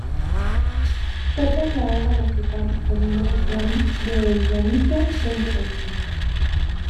Fue trasladada al hospital Domingo Luciani de El Llanito donde falleció.